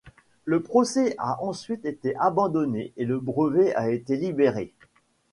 Le procès a ensuite été abandonné et le brevet a été libéré.